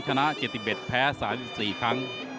ชนะ๗๑แพ้๓๔ครั้ง